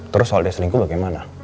terus soal dia selingkuh bagaimana